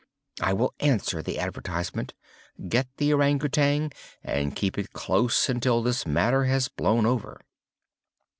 I will answer the advertisement, get the Ourang Outang, and keep it close until this matter has blown over.